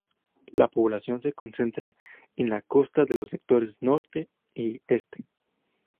La población se concentra en la costa de los sectores norte y este.